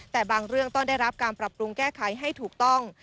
แต่บางเรื่องต้องได้รับการปรับปรุงแก้ไขให้ถูกต้อง